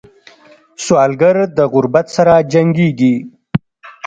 سوالګر د غربت سره جنګېږي